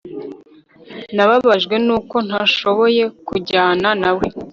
Nababajwe nuko ntashoboye kujyana nawe